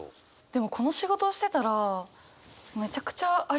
でもこの仕事をしてたらめちゃくちゃありますね。